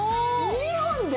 ２本で！？